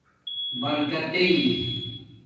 برکتاتݵ